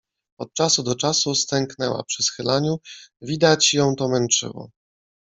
Od czasu do czasu stęknęła przy schylaniu, widać ją to męczyło.